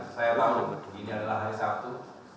saya tahu ini adalah hari sabtu